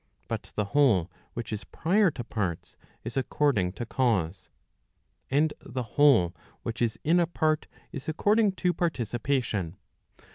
But the whole which is prior to parts is according to cause. And the whole which is in a part is according to participation.